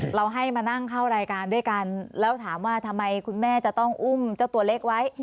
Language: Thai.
เราให้มานั่งเข้ารายการด้วยกันแล้วถามว่าทำไมคุณแม่จะต้องอุ้มเจ้าตัวเล็กไว้